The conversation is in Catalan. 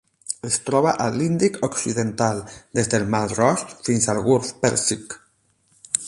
Es troba a l'Índic occidental: des del Mar Roig fins al Golf Pèrsic.